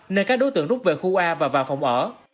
nơi các đối tượng rút về khu a và vào phòng ở